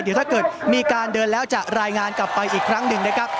เดี๋ยวถ้าเกิดมีการเดินแล้วจะรายงานกลับไปอีกครั้งหนึ่งนะครับ